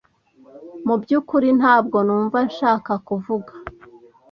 Mu byukuri ntabwo numva nshaka kuvuga.